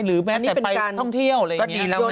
หรือแม้แต่ไปท่องเที่ยวอะไรอย่างนี้